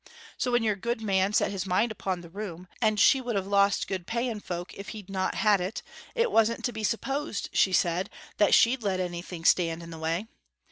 So when your good man set his mind upon the room, and she would have lost good paying folk if he'd not had it, it wasn't to be supposed, she said, that she'd let anything stand in the way.